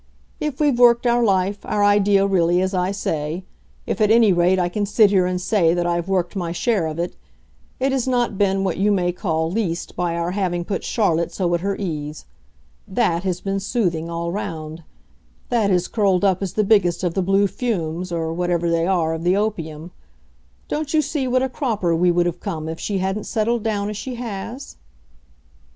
If we've worked our life, our idea really, as I say if at any rate I can sit here and say that I've worked my share of it it has not been what you may call least by our having put Charlotte so at her ease. THAT has been soothing, all round; that has curled up as the biggest of the blue fumes, or whatever they are, of the opium. Don't you see what a cropper we would have come if she hadn't settled down as she has?"